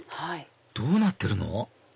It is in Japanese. どうなってるの？